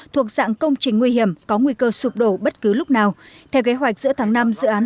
thuộc dạng công trình nguy hiểm có nguy cơ sụp đổ bất cứ lúc nào theo kế hoạch giữa tháng năm dự án